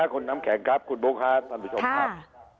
คุณน้ำแข็งครับคุณบุ๊คค่ะสำหรับผู้ชมครับ